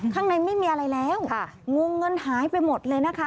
ข้างในไม่มีอะไรแล้วงงเงินหายไปหมดเลยนะคะ